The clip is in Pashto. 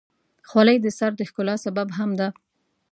خولۍ د سر د ښکلا سبب هم ده.